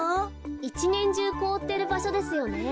いちねんじゅうこおってるばしょですよね。